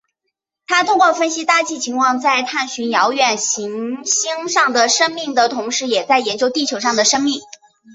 他通过分析大气情况在探寻遥远行星上的生命的同时也在研究地球上的生命。